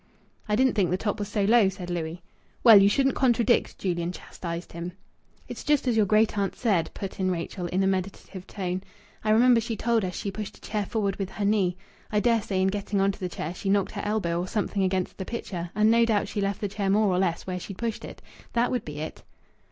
"I didn't think the top was so low," said Louis. "Well, you shouldn't contradict," Julian chastised him. "It's just as your great aunt said," put in Rachel, in a meditative tone. "I remember she told us she pushed a chair forward with her knee. I dare say in getting on to the chair she knocked her elbow or something against the picture, and no doubt she left the chair more or less where she'd pushed it. That would be it."